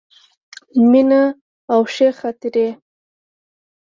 مینه او ښې خاطرې.